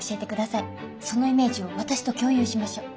そのイメージを私と共有しましょう。